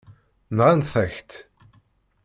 Nɣant-ak-tt.